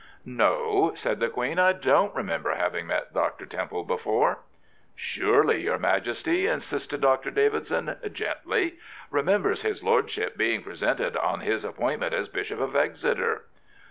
" No," said the Queen, " I don't remember having met Dr. Temple before." " Surely your Majesty," insisted Dr. Davidson, gently, " remembers his lordship being presented on his appointment as Bishop of Exeter."